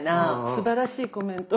すばらしいコメント！